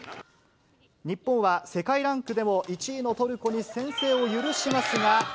日本は世界ランクでも１位のトルコに先制を許しますが。